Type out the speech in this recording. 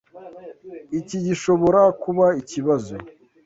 Iki gishobora kuba ikibazo.